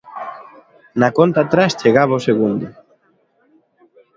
Na conta atrás chegaba o segundo.